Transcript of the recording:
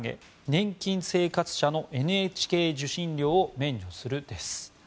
年金生活者のＮＨＫ受信料を免除するです。